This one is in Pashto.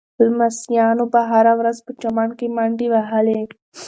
لمسیانو به هره ورځ په چمن کې منډې وهلې.